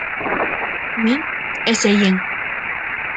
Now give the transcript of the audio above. Мин - әсәйең!